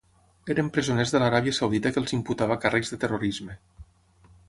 Eren presoners de l'Aràbia Saudita que els imputava càrrecs de terrorisme.